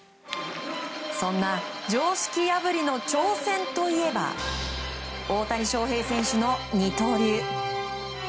そんな常識破りの挑戦といえば大谷翔平選手の二刀流。